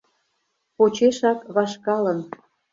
— Почешак вашкалын